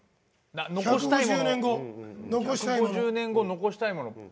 １５０年後、残したいもの。